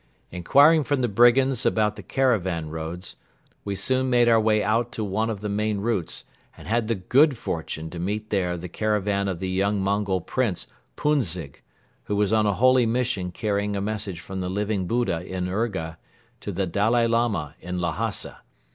Inquiring from the brigands about the caravan roads, we soon made our way out to one of the main routes and had the good fortune to meet there the caravan of the young Mongol Prince Pounzig, who was on a holy mission carrying a message from the Living Buddha in Urga to the Dalai Lama in Lhasa.